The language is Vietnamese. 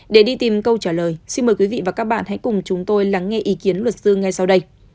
để đi tìm câu trả lời xin mời quý vị và các bạn hãy cùng chúng tôi lắng nghe ý kiến luật sư ngay sau đây